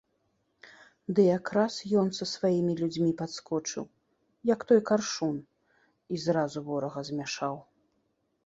Ды якраз ён са сваімі людзьмі падскочыў, як той каршун, і зразу ворага змяшаў.